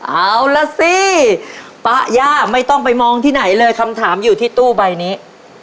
เอาล่ะสิป๊าย่าไม่ต้องไปมองที่ไหนเลยคำถามอยู่ที่ตู้ใบนี้